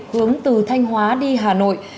hướng từ thanh hóa đi hà nội